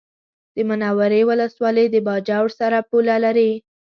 د منورې ولسوالي د باجوړ سره پوله لري